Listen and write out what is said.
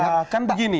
ya kan begini